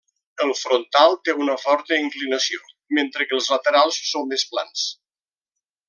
El frontal té una forta inclinació, mentre que els laterals són més plans.